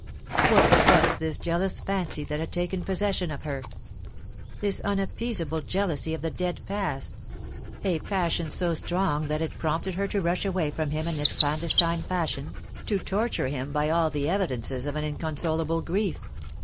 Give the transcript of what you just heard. What was this jealous fancy that had taken possession of her ? This unappeasable jealousy of the dead past a passion so strong that it had prompted her to rush away from him in this clandestine fashion, to torture him by all the evidences of an inconsolable grief.